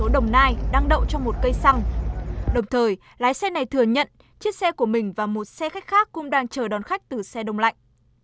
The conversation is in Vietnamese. đồng thời lái xe này thừa nhận chiếc xe của mình và một xe khách khác cũng đang chờ đón khách từ xe đông lạnh